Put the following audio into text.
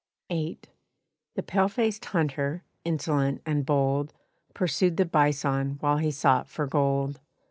VIII. The pale faced hunter, insolent and bold, Pursued the bison while he sought for gold.